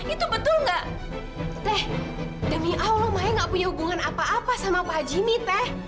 itu betul enggak deh demi allah maya nggak punya hubungan apa apa sama pak jimmy teh